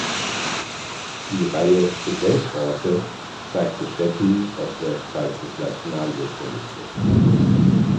Die Reihe "Gedenkorte" zeigte Stätten aus der Zeit des Nationalsozialismus.